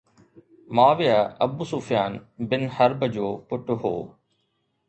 معاويه Abu Sufyan bin Harb جو پٽ هو